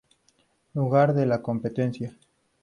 Lugar de la competencia.